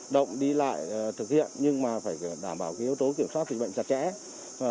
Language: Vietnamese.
động đi lại thực hiện nhưng mà phải đảm bảo yếu tố kiểm soát bệnh trật trễ